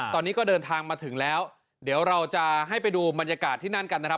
ตอนนี้ก็เดินทางมาถึงแล้วเดี๋ยวเราจะให้ไปดูบรรยากาศที่นั่นกันนะครับ